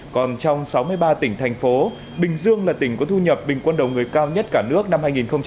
còn trong sáu mươi ba tỉnh thành phố bình dương là tỉnh có thu nhập bình quân đầu người cao nhất cả nước năm hai nghìn một mươi chín